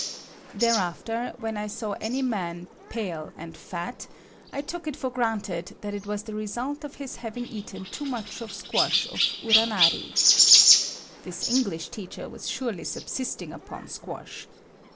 Thereafter when I saw any man pale and fat, I took it for granted that it was the result of his having eaten too much of squash of "uranari." This English teacher was surely subsisting upon squash.